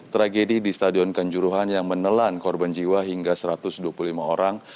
tragedi di stadion kanjuruhan yang menelan korban jiwa hingga satu ratus dua puluh lima orang